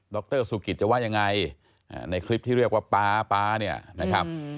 รสุกิตจะว่ายังไงในคลิปที่เรียกว่าป๊าป๊าเนี่ยนะครับ